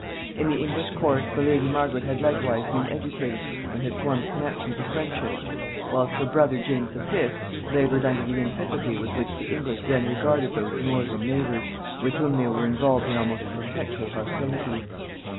In the English court the lady Margaret had likewise been educated, and had formed connexions of friendship; whilst her brother James V. laboured under the antipathy with which the English then regarded those northern neighbours, with whom they were involved in almost perpetual hostilities.